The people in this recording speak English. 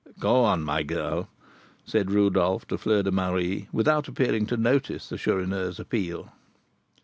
"Go on, my girl," said Rodolph to Fleur de Marie, without appearing to notice the Chourineur's appeal.